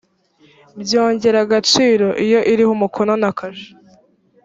byongera agaciro iyo iriho umukono na kashe